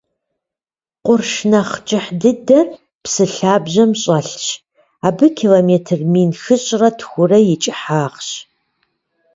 Къурш нэхь кӏыхь дыдэр псы лъабжьэм щӏэлъщ, абы километр мин хыщӏрэ тхурэ и кӏыхьагъщ.